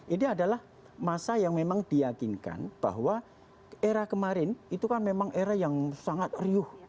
ini adalah masa yang memang diyakinkan bahwa era kemarin itu kan memang era yang sangat riuh